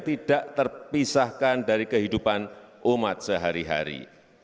tidak terpisahkan dari kehidupan umat sehari hari